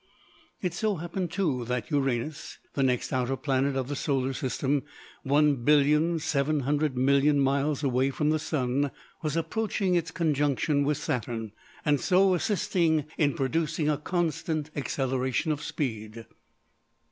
It so happened, too, that Uranus, the next outer planet of the Solar System, 1,700,000,000 miles away from the Sun, was approaching its conjunction with Saturn, and so assisted in producing a constant acceleration of speed.